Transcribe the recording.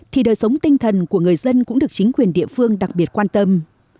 thì đời sống tinh thần của người dân cũng được chính quyền địa phương đặc biệt quan tâm